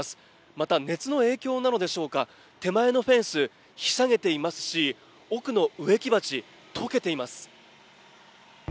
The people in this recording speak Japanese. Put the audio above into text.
また、熱の影響なのでしょうか、手前のフェンス、ひしゃげていますし、奥の植木鉢、溶けています。